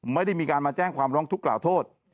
ไม่ได้มีการมาแจ้งความร้องทุกข์กล่าวโทษ